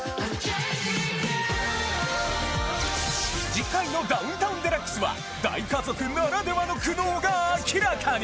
次回の『ダウンタウンＤＸ』は大家族ならではの苦悩が明らかに！